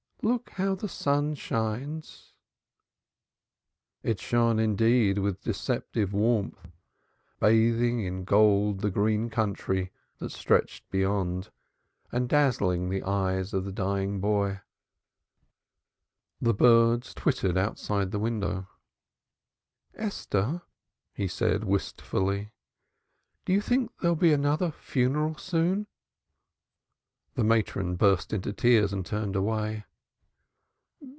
Look how the sun shines." It shone, indeed, with deceptive warmth, bathing in gold the green country that stretched beyond, and dazzling the eyes of the dying boy. The birds twittered outside the window. "Esther!" he said, wistfully, "do you think there'll be another funeral soon?". The matron burst into tears and turned away.